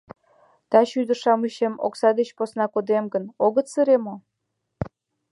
Таче ӱдыр-шамычем окса деч посна кодем гын, огыт сыре мо?